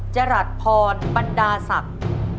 จรัสพรบรรดาศักดิ์